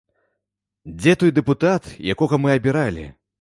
Дзе той дэпутат, якога мы абіралі?